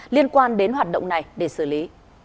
liên quan đến hoạt động này để xử lý